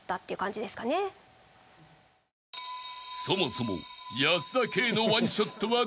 ［そもそも］